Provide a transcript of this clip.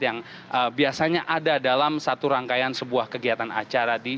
yang biasanya ada dalam satu rangkaian sebuah kegiatan acara